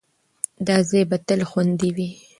دا ځای به تل خوندي وي.